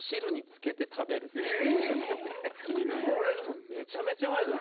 これがめちゃめちゃうまいのよ。